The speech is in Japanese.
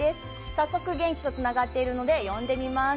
早速現地とつながっているので呼んでみます。